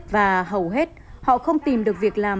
và hầu hết họ không tìm được việc làm